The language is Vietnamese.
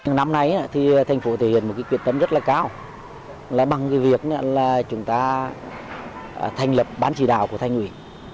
năm nay thành phố thể hiện một quyết tâm rất là cao bằng việc chúng ta thành lập bán chỉ đạo của thanh ủy